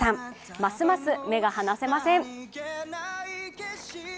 ますます目が離せません。